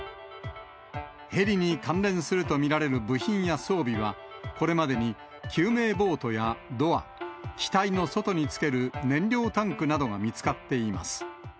ヘリに関連すると見られる部品や装備は、これまでに救命ボートやドア、機体の外につける燃料タンクなどが見つかっています。